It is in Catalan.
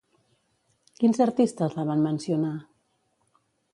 Quins artistes la van mencionar?